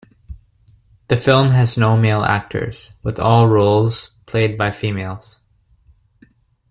The film has no male actors, with all roles played by females.